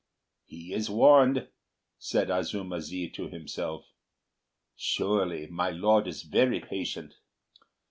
"He is warned," said Azuma zi to himself. "Surely my Lord is very patient."